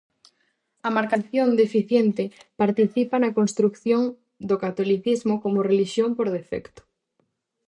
A marcación deficiente participa na construción do catolicismo como relixión por defecto.